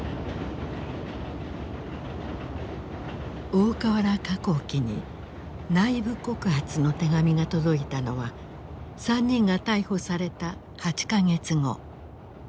大川原化工機に内部告発の手紙が届いたのは３人が逮捕された８か月後。